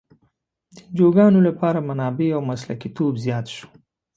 د انجوګانو لپاره منابع او مسلکیتوب زیات شو.